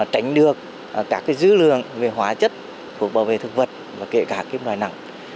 tránh được các dư lượng về hóa chất phục bảo vệ thực vật và kệ cả kim loại nặng